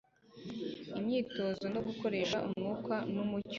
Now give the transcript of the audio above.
Imyitozo no gukoresha umwuka numucyo